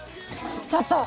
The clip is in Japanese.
ちょっと。